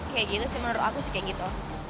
kayak gitu sih menurut aku sih kayak gitu